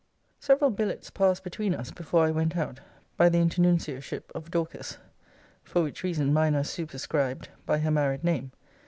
Several billets passed between us before I went out, by the internuncioship of Dorcas: for which reason mine are superscribed by her married name.